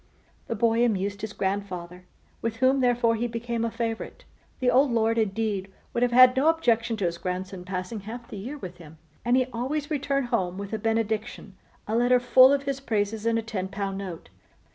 The boy amused his grandfather, with whom, therefore, he became a favourite. The old Lord, indeed, would have had no objection to his grandson passing half the year with him; and he always returned home with a benediction, a letter full of his praises, and a ten pound note.